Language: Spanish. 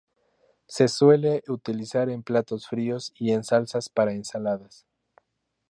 Se suele utilizar en platos fríos y en salsas para ensaladas.